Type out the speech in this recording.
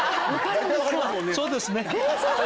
えっそうですね。